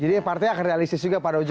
jadi partai akan realistis juga pada ujurnya